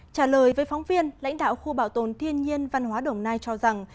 trả lời với phóng viên lãnh đạo khu bảo tồn thiên nhiên văn hóa đồng nai cho rằng